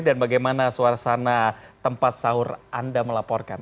dan bagaimana suasana tempat sahur anda melaporkan